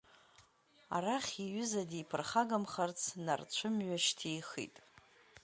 Арахь, иҩыза диԥырхагамхарц, нарцәымҩа шьҭихит.